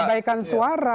tidak mengabaikan suara